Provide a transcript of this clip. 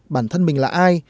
bản thân mình là ai